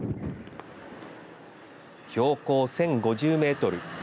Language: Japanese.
標高１０５０メートル